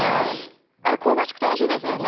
あれ香ばしくておいしいですよね。